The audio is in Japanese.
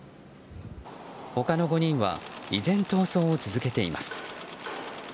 他の５人は依然、逃走を続けています。